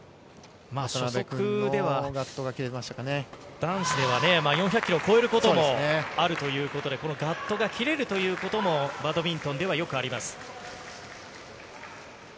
男子では４００キロを超えることもあるということで、このガットが切れるということも、バドミントンではよくあります。